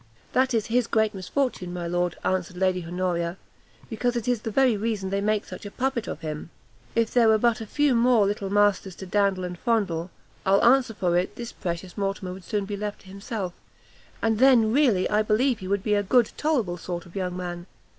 "That is his great misfortune, my lord," answered Lady Honoria, "because it is the very reason they make such a puppet of him. If there were but a few more little masters to dandle and fondle, I'll answer for it this precious Mortimer would soon be left to himself; and then, really, I believe he would be a good tolerable sort of young man.